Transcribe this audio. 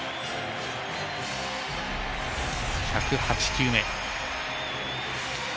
１０８球目。